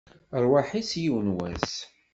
Rrwaḥ-is, yiwen n wass!